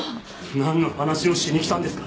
なんの話をしに来たんですか？